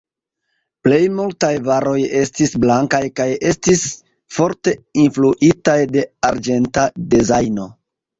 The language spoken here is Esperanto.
Plej multaj varoj estis blankaj kaj estis forte influitaj de arĝenta dezajno.